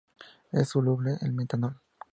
Es soluble en metanol.